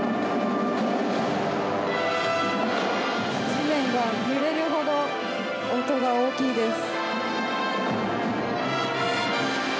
地面が揺れるほど音が大きいです。